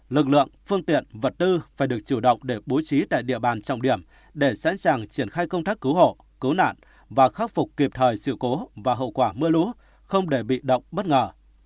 lực lượng phương tiện vật tư phải được chủ động để bố trí tại địa bàn trọng điểm để sẵn sàng triển khai công tác cứu hộ cứu nạn và khắc phục kịp thời sự cố và hậu quả mưa lũ không để bị động bất ngờ